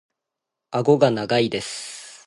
顎が長いです。